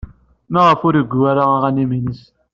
Maɣef ur igi ara aɣanen-nnes?